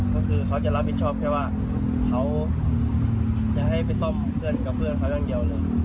ก็คือเขาจะรับผิดชอบแค่ว่าเขาจะให้ไปซ่อมเพื่อนกับเพื่อนเขาอย่างเดียวเลย